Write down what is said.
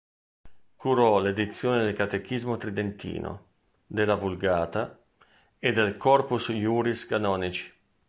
Curò l'edizione del Catechismo Tridentino, della "Vulgata" e del "Corpus Juris Canonici".